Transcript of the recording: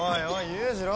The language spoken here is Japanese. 裕次郎？